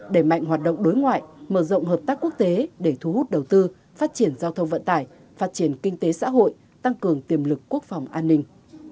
đẩy mạnh hoạt động đối ngoại mở rộng hợp tác quốc tế để thu hút đầu tư phát triển giao thông vận tải phát triển kinh tế xã hội tăng cường tiềm lực quốc phòng an ninh